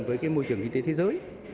với cái môi trường kinh tế thế giới